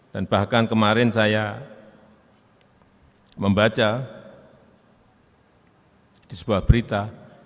dan bahkan kemarin saya membaca di sebuah berita